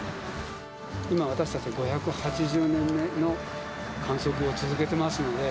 今私たち５８０年目の観測を続けてますので。